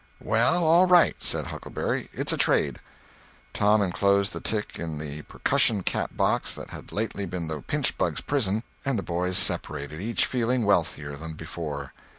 "Well, all right," said Huckleberry, "it's a trade." Tom enclosed the tick in the percussion cap box that had lately been the pinchbug's prison, and the boys separated, each feeling wealthier than before.